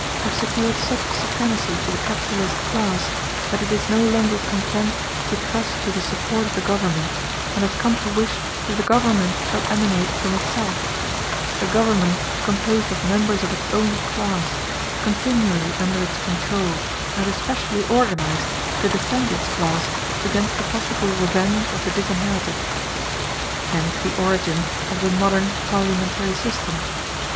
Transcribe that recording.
have secured such supremacy to the capitalist class that it is no longer content to trust to the support of the government, and has come to wish that the government shall emanate from itself; a government composed of members of its own class, continually under its control and especially organized to defend its class against the possible revenge of the disinherited. Hence the origin of the modern parliamentary system.